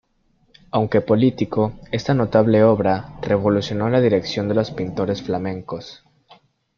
Aunque político, esta notable obra revolucionó la dirección de los pintores flamencos.